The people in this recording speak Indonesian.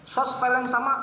source file yang sama